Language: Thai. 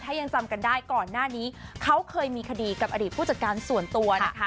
ถ้ายังจำกันได้ก่อนหน้านี้เขาเคยมีคดีกับอดีตผู้จัดการส่วนตัวนะคะ